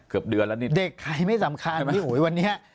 เกือบเดือนแล้วนี่เด็กใครไม่สำคัญพี่อุ๋ยวันนี้